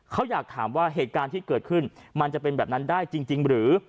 เขาอยากถามว่าเหตุการณ์ที่เกิดขึ้นมันจะเป็นแบบนั้นได้จริงหรือ